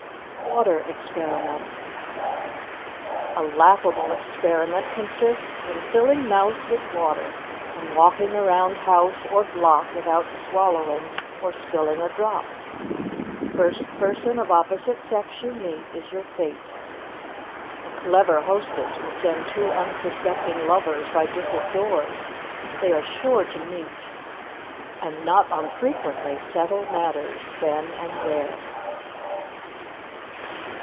WATER EXPERIMENT A laughable experiment consists in filling mouth with water and walking around house or block without swallowing or spilling a drop. First person of opposite sex you meet is your fate. A clever hostess will send two unsuspecting lovers by different doors; they are sure to meet, and not unfrequently settle matters then and there.